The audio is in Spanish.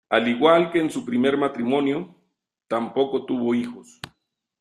Al igual que en su primer matrimonio, tampoco tuvo hijos.